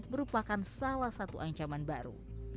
merupakan salah satu ancaman baru